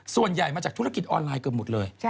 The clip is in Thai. ส่วนใหญ่มาจากธุรกิจออนไลน์เกือบหมดเลย